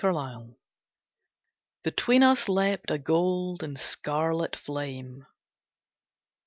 The Temple Between us leapt a gold and scarlet flame.